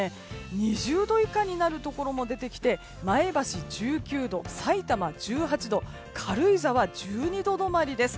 ２０度以下になるところも出てきて前橋、１９度さいたま、１８度軽井沢１２度止まりです。